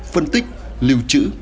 phân tích liều trữ